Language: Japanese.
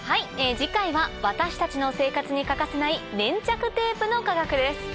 次回は私たちの生活に欠かせない粘着テープのかがくです。